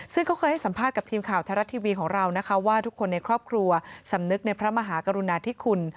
ซึ่งเขาเคยให้สัมภาษณ์กับทีมข่าวไทยรัฐทีวีของเรานะคะว่าทุกคนในครอบครัวสำนึกในพระมหากรุณาธิคุณ